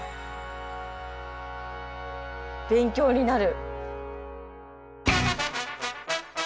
勉強になる。